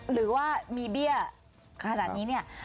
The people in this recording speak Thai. หรือว่ามีเบี้ยขนาดนี้เนี่ย